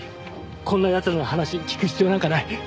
こんな奴らの話聞く必要なんかない。